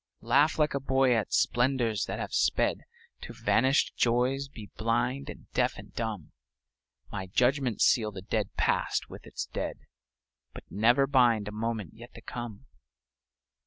Laugh like a boy at splendors that have sped, To vanished joys be blind and deaf and dumb; My judgments seal the dead past with its dead, But never bind a moment yet to come.